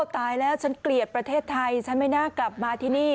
ตายแล้วฉันเกลียดประเทศไทยฉันไม่น่ากลับมาที่นี่